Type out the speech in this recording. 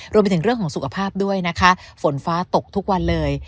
รวมไปถึงเรื่องของสุขภาพด้วยนะคะฝนฟ้าตกทุกวันเลย